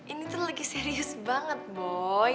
ini tuh lagi serius banget boy